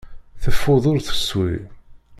Teffud ur teswi.